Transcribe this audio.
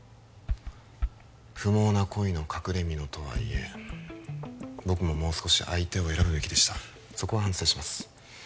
不毛な恋の隠れみのとはいえ僕ももう少し相手を選ぶべきでしたそこは反省します